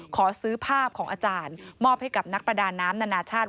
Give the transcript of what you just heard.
ขอซื้อภาพของอาจารย์มอบให้กับนักประดาน้ำนานาชาติ